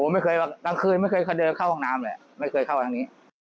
ไม่เคยเถอะตั้งคืนไม่เคยเคด้เเค้าห้องน้ำเลยไม่เคยไปที่นี้